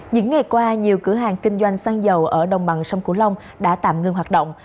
những ngày qua nhiều cửa hàng kinh doanh xăng dầu ở đồng bằng sông cửu long đã tạm ngưng hoạt động